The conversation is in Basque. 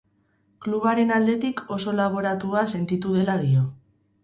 Klubaren aldetik oso baloratua sentitu dela dio.